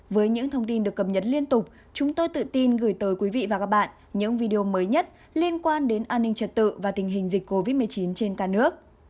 với những thông tin được cập nhật liên tục chúng tôi tự tin gửi tới quý vị và các bạn những video mới nhất liên quan đến an ninh trật tự và tình hình dịch covid một mươi chín trên cả nước